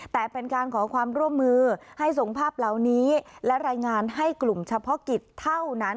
แต่เป็นการขอความร่วมมือให้ส่งภาพเหล่านี้และรายงานให้กลุ่มเฉพาะกิจเท่านั้น